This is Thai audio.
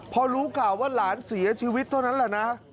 พอรู้ข่าวว่าหลานเสียชีวิตเท่านั้นแหละนะ